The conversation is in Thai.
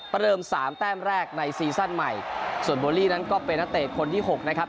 เริ่มสามแต้มแรกในซีซั่นใหม่ส่วนโบลี่นั้นก็เป็นนักเตะคนที่หกนะครับ